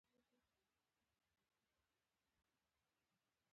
خو واښه وينه نه وه ځبېښلې.